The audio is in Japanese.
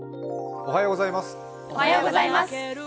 おはようございます。